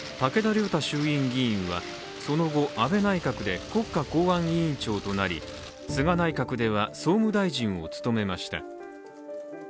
武田良太衆院議員はその後、安倍内閣で国家公安委員長となり、菅内閣では、総務大臣を務めました。